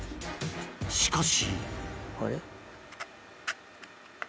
しかし。